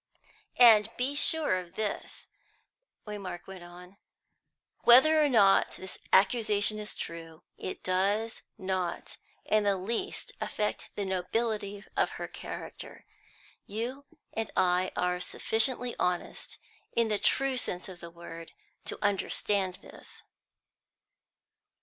"And be sure of this," Waymark went on, "whether or not this accusation is true, it does not in the least affect the nobility of her character. You and I are sufficiently honest, in the true sense of the word, to understand this."